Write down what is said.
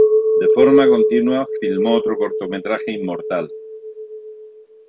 De forma continua, filmó otro cortometraje "Inmortal".